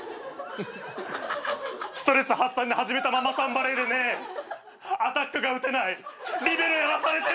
ストレス発散で始めたママさんバレーでねアタックが打てないリベロやらされてるの。